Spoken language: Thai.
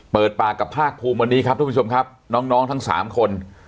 เปิดปากกับภาคภูมิวันนี้ครับทุกผู้ชมครับน้องน้องทั้งสามคน